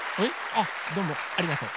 あっどうもありがとう。